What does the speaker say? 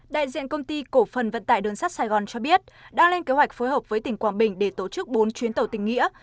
đại diện công ty cổ phần vận tải đường sắt sài gòn cho biết đang lên kế hoạch phối hợp với tỉnh quảng bình để tổ chức bốn chuyến tàu tình nghĩa